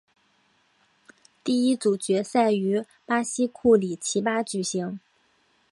第一组决赛于巴西库里奇巴举行。